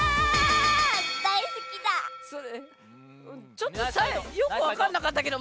ちょっと最後よく分かんなかったけど。